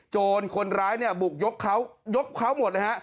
คนร้ายเนี่ยบุกยกเขายกเขาหมดเลยฮะ